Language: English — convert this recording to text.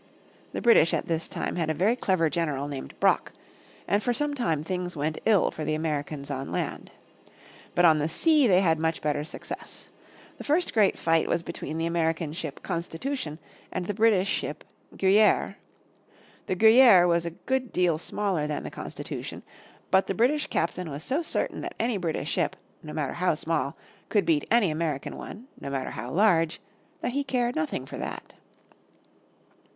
The British at this time had a very clever General named Brock, and for some time things went ill for the Americans on land. But on the sea they had much better success. The first great fight was between the American ship Constitution and the British ship Guerriere. The Guerriere was a good deal smaller than the Constitution, but the British captain was so certain that any British ship, no matter how small, could beat any American one, no matter how large, that he cared nothing for that.